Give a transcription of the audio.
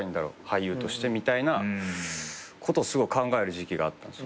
俳優としてみたいなことをすごい考える時期があった。